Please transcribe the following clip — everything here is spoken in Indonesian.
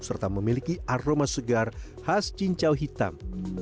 serta memiliki aroma segar khas cincau hitam